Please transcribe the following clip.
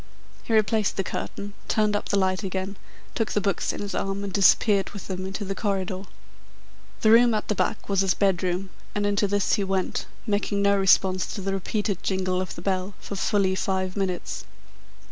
He replaced the curtain, turned up the light again, took the books in his arms and disappeared with them into the corridor. The room at the back was his bedroom, and into this he went, making no response to the repeated jingle of the bell for fully five minutes.